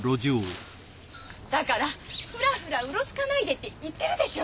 だからフラフラうろつかないでって言ってるでしょ！